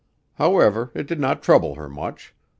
However, it did not trouble her much.